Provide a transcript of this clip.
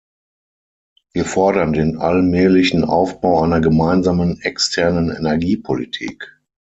Wir fordern den allmählichen Aufbau einer gemeinsamen externen Energiepolitik.